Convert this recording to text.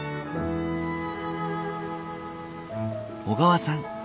小川さん